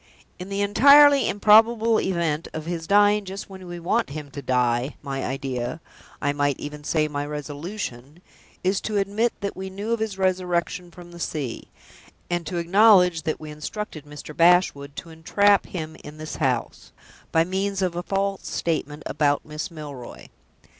In the entirely improbable event of his dying just when we want him to die, my idea I might even say, my resolution is to admit that we knew of his resurrection from the sea; and to acknowledge that we instructed Mr. Bashwood to entrap him into this house, by means of a false statement about Miss Milroy.